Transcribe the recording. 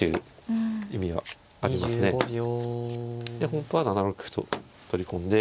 本譜は７六歩と取り込んで。